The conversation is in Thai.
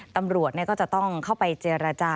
ตำรวจก็จะต้องเข้าไปเจรจา